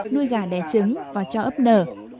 nuôi gà đẻ trứng và cho ấp nở